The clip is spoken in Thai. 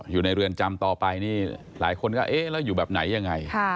อยู่ในเรือนจำต่อไปหลายคนก็อยากจะอยู่แบบไหน